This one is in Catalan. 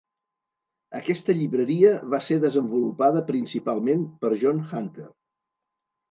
Aquesta llibreria va ser desenvolupada principalment per John Hunter.